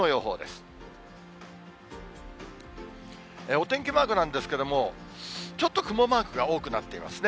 お天気マークなんですけども、ちょっと雲マークが多くなっていますね。